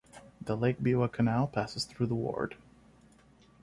The Lake Biwa Canal passes through the ward.